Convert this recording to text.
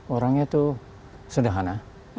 orangnya itu sederhana